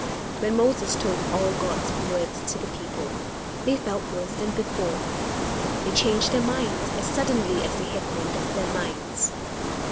When Moses told all God's words to the people they felt worse than before. They changed their minds as suddenly as they had made up their minds.